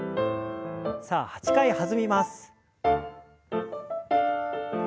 さあ８回弾みます。